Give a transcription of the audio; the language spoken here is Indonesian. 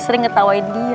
sering ketawain dia